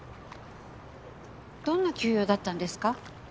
どんな急用だったんですか？